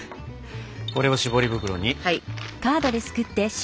これを絞り袋に。